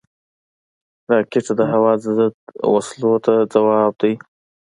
راکټ د هوا ضد وسلو ته ځواب دی